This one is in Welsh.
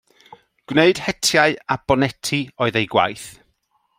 Gwneud hetiau a boneti oedd ei gwaith.